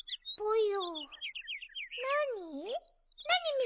ぽよ。